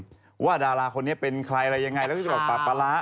อีกทีหนึ่งว่าดาราคนนี้เป็นใครอะไรยังไงแล้วก็คือแบบปราปร้า